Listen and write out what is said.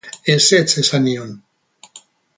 Ezetz esan nion.